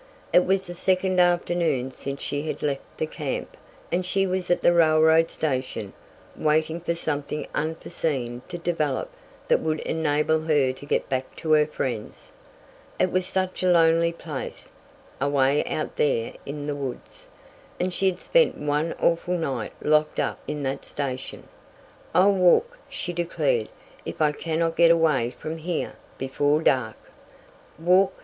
It was the second afternoon since she had left the camp, and she was at the railroad station, waiting for something unforseen to develop that would enable her to get back to her friends. It was such a lonely place away out there in the woods, and she had spent one awful night locked up in that station! "I'll walk," she declared, "if I cannot get away from here before dark!" Walk!